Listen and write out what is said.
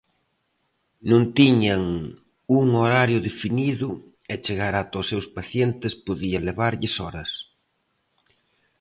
Non tiñan un horario definido e chegar ata os seus pacientes podía levarlles horas.